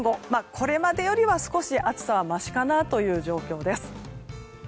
これまでよりは少し、暑さはましかなという状況です。